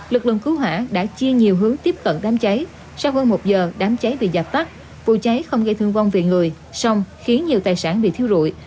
lực lượng cứu hỏa đã chia nhiều hướng tiếp cận đám cháy sau hơn một giờ đám cháy bị dập tắt vụ cháy không gây thương vong về người song khiến nhiều tài sản bị thiêu rụi